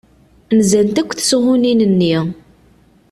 Nzant akk tesɣunin-nni.